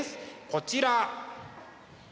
こちら。